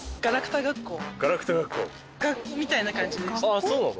あっそうなの？